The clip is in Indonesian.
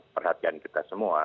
perhatian kita semua